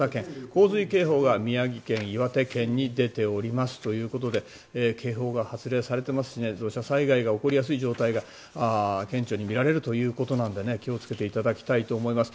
洪水警報が宮城県、岩手県に出ておりますということで警報が発令されていますので土砂災害が起こりやすい状態が顕著に見られるということなので気をつけていただきたいと思います。